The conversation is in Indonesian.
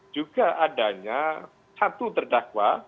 juga adanya satu terdakwa